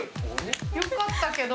よかったけど。